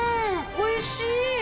おいしい！